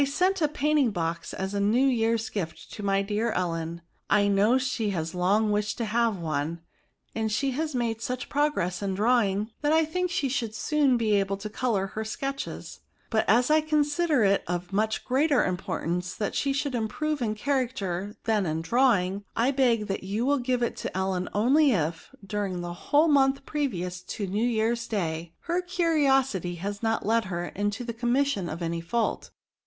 send a painting, box as a new yearns gift to my dear Ellen. I know she has long wished to have one, and she has made such progress in drawing that I think she vnR soon be able to colour her sketches; but as I consider it of much greater importance that she should improve in character than in drawing, I beg that you will give it to EUen only if, during a whole month previous to new year's day, her curiosity has not led her into the commission of any fault.